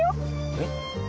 えっ？